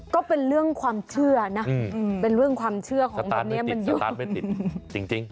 ก็เป็นเรื่องความเชื่อนะเป็นเรื่องความเชื่อของตรงนี้มันอยู่สตาร์ทไม่ติดสตาร์ทไม่ติดจริง